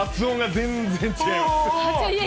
全然違いますよ。